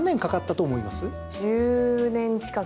１０年近く？